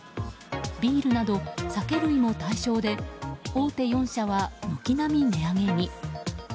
ビールなど酒類も対象で大手４社は軒並み値上げに。